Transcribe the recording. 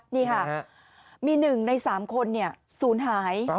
นี่ค่ะมี๑ใน๓คนศูนย์หาย